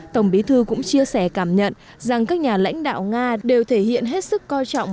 tổng bí thư cũng chia sẻ cảm nhận rằng các nhà lãnh đạo nga đều thể hiện hết sức coi trọng